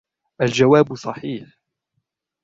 الجواب صحيح.